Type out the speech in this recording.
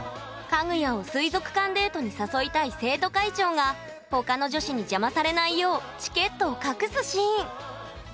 かぐやを水族館デートに誘いたい生徒会長が他の女子に邪魔されないようチケットを隠すシーン。